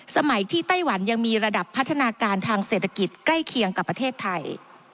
สมัยที่ไต้หวันยังมีระดับพัฒนาการทางเศรษฐกิจใกล้เคียงกับประเทศไทย